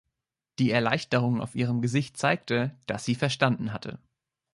Die Erleichterung auf ihrem Gesicht zeigte, dass sie verstanden hatte.